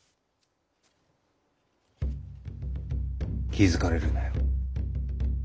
気付かれるなよ。